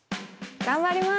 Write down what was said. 頑張ります！